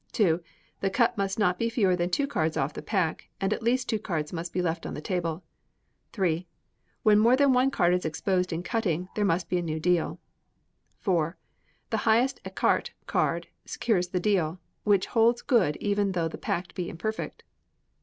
ii. The cut must not be fewer than two cards off the pack, and at least two cards must be left on the table. iii. When more than one card is exposed in cutting, there must be a new deal. iv. The highest ecarté card cut secures the deal, which holds good even though the pack be imperfect.